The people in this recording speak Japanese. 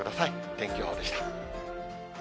天気予報でした。